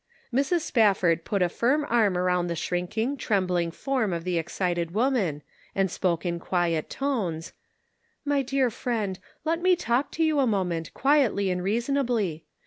Mrs. Spafford put a firm arm around the shrinking, trembling form of the excited woman, and spoke in quiet tones :" My dear friend, let me talk to you a mo ment quietly and reasonably.